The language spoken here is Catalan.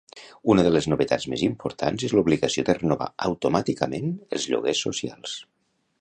Una de les novetats més importants és l'obligació de renovar automàticament els lloguers socials.